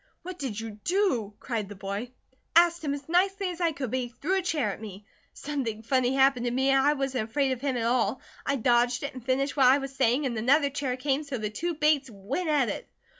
"What did you do?" cried the boy. "Asked him as nicely as I could; but he threw a chair at me. Something funny happened to me, and I wasn't afraid of him at all. I dodged it, and finished what I was saying, and another chair came, so the two Bates went at it."